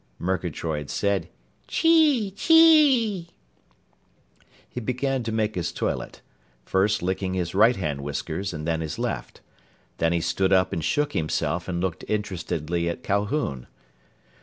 Murgatroyd said: "Chee chee!" He began to make his toilet, first licking his right hand whiskers and then his left. Then he stood up and shook himself and looked interestedly at Calhoun.